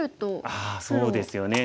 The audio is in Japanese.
ああそうですよね。